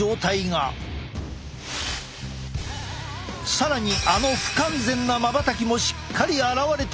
更にあの不完全なまばたきもしっかり現れていたのだ。